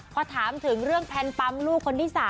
พอถามถึงเรื่องแพลนปั๊มลูกคนที่๓